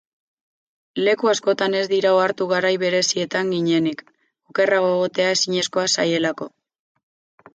Leku askotan ez dira ohartu garai berezietan ginetik, okerrago egotea ezinezkoa zaielako.